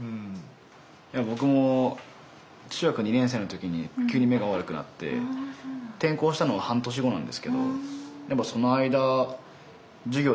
僕も中学２年生の時に急に目が悪くなって転校したのが半年後なんですけどその間授業ではね